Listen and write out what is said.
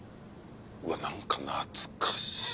うわっ何か懐かしい。